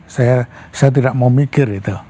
saya tidak mau mikir itu